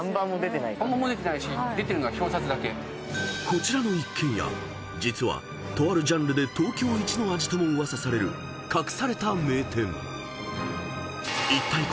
［こちらの一軒家実はとあるジャンルで東京イチの味とも噂される隠された名店］